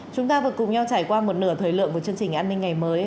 chúng ta vừa cùng nhau trải qua một nửa thời lượng của chương trình an ninh ngày mới